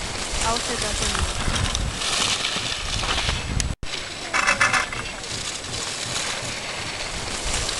Auter dat ei nuot.